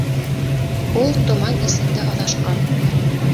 Ул томан эсендә аҙашҡан